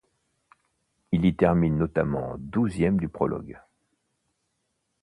Il y termine notamment douzième du prologue.